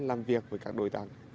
làm việc với các đối tác